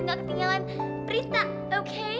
nggak ketinggalan berita oke